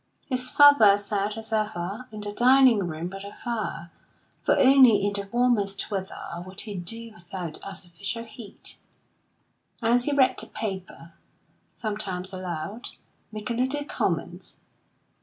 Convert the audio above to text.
His father sat, as ever, in the dining room by the fire, for only in the warmest weather could he do without artificial heat, and he read the paper, sometimes aloud, making little comments.